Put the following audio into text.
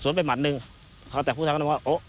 นะทุกคน